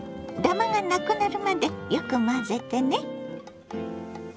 ダマがなくなるまでよく混ぜてね。